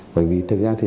bởi vì thực ra thì